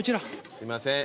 すいません